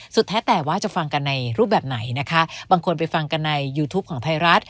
แท้แต่ว่าจะฟังกันในรูปแบบไหนนะคะบางคนไปฟังกันในยูทูปของไทยรัฐ